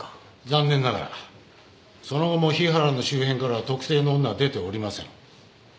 残念ながらその後も日原の周辺からは特定の女は出ておりません。